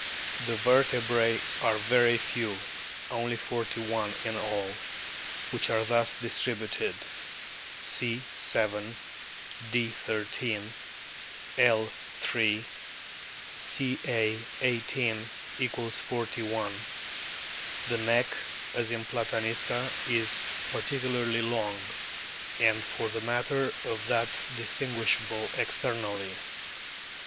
The vertebrae are very few, only forty one in all, which are thus distributed : C. 7 ; D. 1 3 ; L. 3 ; Ca. 18 = 41. The neck, as in Platanista, is particularly long, and for the matter of that distinguishable ex ternally.